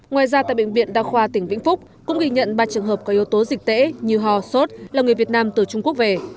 ngoài ra tại bệnh viện đa khoa tỉnh vĩnh phúc cũng ghi nhận ba trường hợp có yếu tố dịch tễ như ho sốt là người việt nam từ trung quốc về